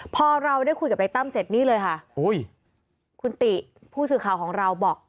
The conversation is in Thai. พอเราได้คุยกับนายตั้มเสร็จนี่เลยค่ะอุ้ยคุณติผู้สื่อข่าวของเราบอก